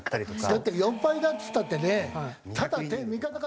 だって４敗だっつったってねただ。